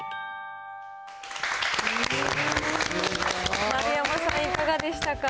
丸山さん、いかがでしたか。